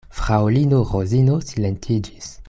Fraŭlino Rozino silentiĝis.